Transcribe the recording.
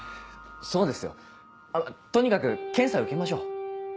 そうですよとにかく検査受けましょう。